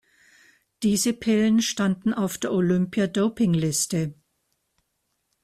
Diese Pillen standen auf der Olympia-Dopingliste.